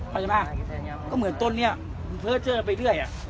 เข้าใจมั้ยก็เหมือนต้นนี้ไปเรื่อยอ่ะ